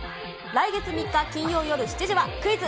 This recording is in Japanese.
来月３日金曜夜７時は、クイズ！